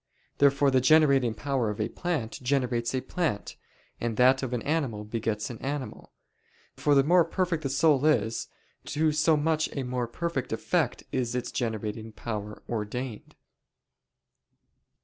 Therefore the generating power of a plant generates a plant, and that of an animal begets an animal. For the more perfect the soul is, to so much a more perfect effect is its generating power ordained.